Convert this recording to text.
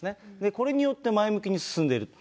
これによって前向きに進んでいると。